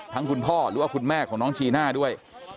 คุณพ่อหรือว่าคุณแม่ของน้องจีน่าด้วย